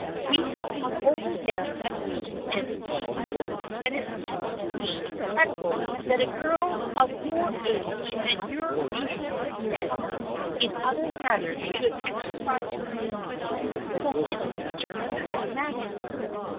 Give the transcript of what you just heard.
We have been over them again and again, and it seems to me incredible that a girl of your age and your usual good sense in other matters should exercise her reason so little in mathematics.